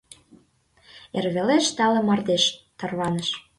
Эрвелеш тале мардеж тарваныш.